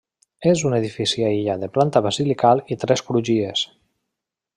És un edifici aïllat de planta basilical i tres crugies.